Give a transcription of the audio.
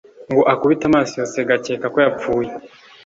ngo akubite amaso iyo sega akeka ko yapfuye